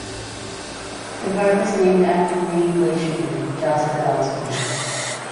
The park was named after the main glacier in it, Jostedalsbreen.